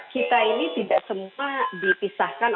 kita ini tidak semua dipisahkan